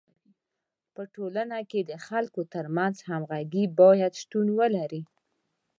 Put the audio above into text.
په ټولنه کي د خلکو ترمنځ همږغي باید شتون ولري.